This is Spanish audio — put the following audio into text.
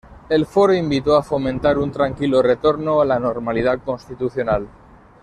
El Foro invitó a fomentar un tranquilo retorno a la normalidad constitucional.